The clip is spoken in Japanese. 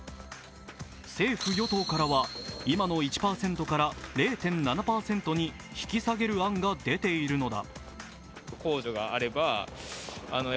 政府・与党からは今の１％から０．７％に引き下げる案が出ているのだ。